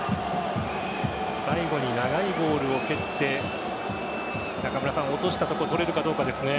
最後に長いボールを蹴って落としたところ取れるかどうかですね。